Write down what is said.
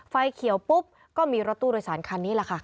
ไฟเขียวปุ๊บก็มีรถตู้โดยสารคันนี้แหละค่ะ